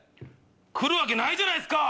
来るわけないじゃないっすか！